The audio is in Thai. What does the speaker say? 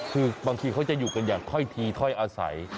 คือบางทีเขาจะอยู่กันอย่างถ้อยทีถ้อยอาศัย